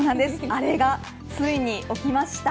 アレが、ついに起きました。